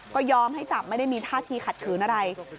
ก็ยอมให้จับไม่ได้มีท่าทีขัดขืนอะไร